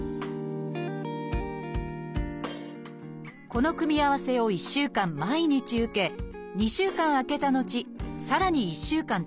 この組み合わせを１週間毎日受け２週間空けた後さらに１週間続けます。